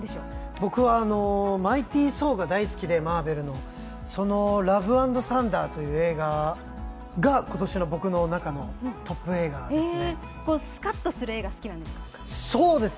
僕はマーベルの「マイティソー」が大好きで「ラブ＆サンダー」という映画が今年の僕の中でのスカッとする映画が好きなんですか？